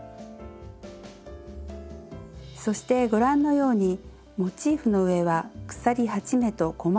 そしてご覧のようにモチーフの上は鎖８目と細編み１目。